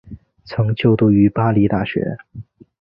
曾就读于巴黎大学。